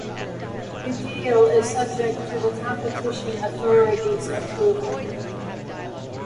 The deal is subject to the Competition Authority's approval.